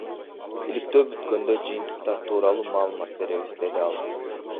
Иликтөө бүткөндө жыйынтыктар тууралуу маалымат беребиз, — деди ал.